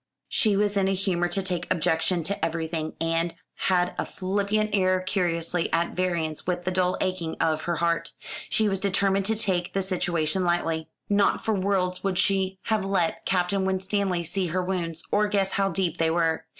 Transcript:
She was in a humour to take objection to everything, and had a flippant air curiously at variance with the dull aching of her heart. She was determined to take the situation lightly. Not for worlds would she have let Captain Winstanley see her wounds, or guess how deep they were.